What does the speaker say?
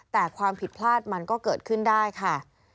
แต่ความผิดพลาดมันก็เกิดขึ้นได้ค่ะ